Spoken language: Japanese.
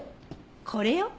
これよ。